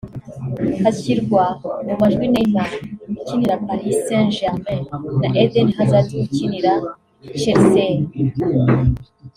hashyirwa mu majwi Neymar ukinira Paris Saint Germain na Eden Hazard ukinira Chelsea